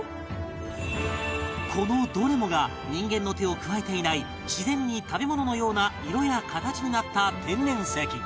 このどれもが人間の手を加えていない自然に食べ物のような色や形になった天然石